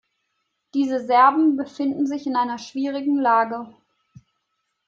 Diese Serben befinden sich in einer schwierigen Lage.